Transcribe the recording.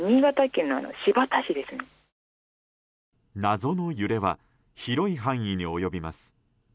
謎の揺れは広い範囲に及びます。